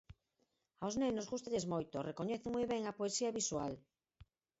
Aos nenos gústalles moito, recoñecen moi ben a poesía visual.